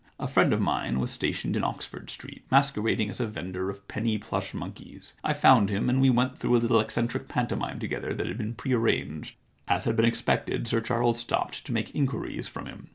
A friend of mine was stationed in Oxford Street, masquerading as a vender of penny plush monkeys ; I found him and we went through a little eccentric pantomime together that had been prearranged. As had been expected, Sir Charles stopped to make inquiries from him.